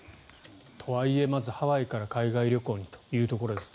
とはいえまずハワイから海外旅行ですというところです。